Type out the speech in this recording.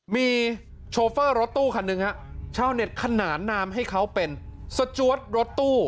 มีโชเฟอร์รถตู้คันหนึ่งฮะชาวเน็ตขนานนามให้เขาเป็นสจวดรถตู้